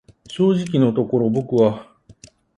正直のところ僕は、